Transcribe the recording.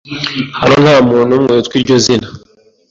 Hano ntamuntu numwe witwa iryo zina.